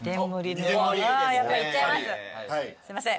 すいません。